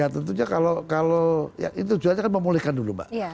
ya tentunya kalau intujunya kan memulihkan dulu mbak